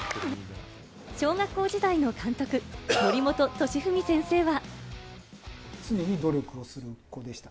小学校時代の監督・森本敏史先生は。